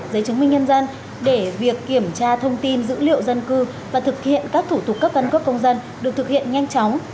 giấy chứng minh nhân dân để việc kiểm tra thông tin dữ liệu dân cư và thực hiện các thủ tục cấp căn cước công dân được thực hiện nhanh chóng